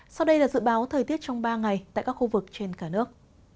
sau đây là dự báo thời tiết trong ba ngày tại các khu vực trên cả nước